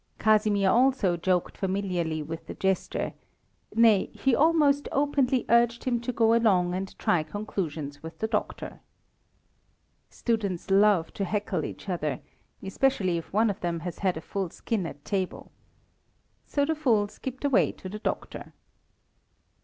Casimir also joked familiarly with the jester nay, he almost openly urged him to go along and try conclusions with the doctor. Students love to heckle each other, especially if one of them has had a full skin at table. So the fool skipped away to the doctor.